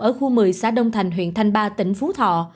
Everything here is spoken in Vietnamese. ở khu một mươi xã đông thành huyện thanh ba tỉnh phú thọ